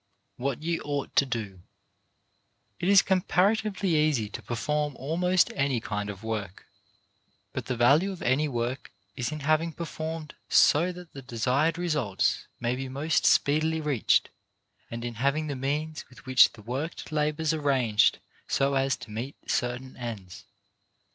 WHAT YOU OUGHT TO DO It is comparatively easy to perform almost any kind of work, but the value of any work is in hav ing it performed so that the desired results may be most speedily reached, and in having the means with which the worker labours arranged so as to meet certain ends.